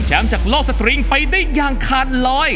จากโลกสตริงไปได้อย่างขาดลอย